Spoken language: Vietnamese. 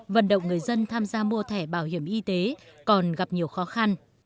vận động người dân tham gia mua thẻ bảo hiểm y tế còn gặp nhiều khó khăn